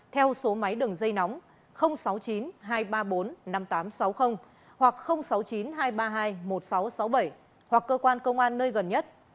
theo số máy đường dây nóng sáu mươi chín hai trăm ba mươi bốn năm nghìn tám trăm sáu mươi hoặc sáu mươi chín hai trăm ba mươi hai một nghìn sáu trăm sáu mươi bảy hoặc cơ quan công an nơi gần nhất